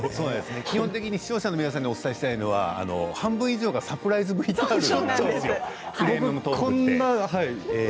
基本的に視聴者の皆さんにお伝えしたいのは半分以上がサプライズＶＴＲなんですよ「プレミアムトーク」って。